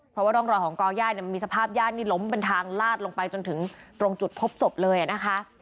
เพราะว่าร่องรอยของก่อย่าเนี่ยมันมีสภาพญาตินี่ล้มเป็นทางลาดลงไปจนถึงตรงจุดพบศพเลยนะคะ